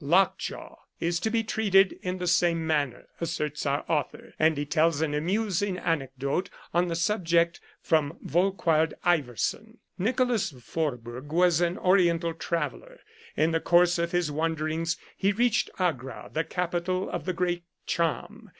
Lockjaw is to be treated in the same manner, asserts our author, and he tells an amusing anec dote on the subject from Volquard Iversen. Nicolas Vorburg was an Oriental traveller. In the course of his wanderings he reached Agra, the capital of the Great Cham.